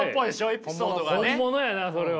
本物やなそれは。